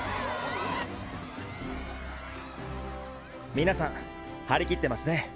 皆さん張り切ってますね。